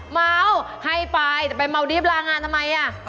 เมาให้ไปแต่ไปเมาดีฟลางานทำไมอ่ะ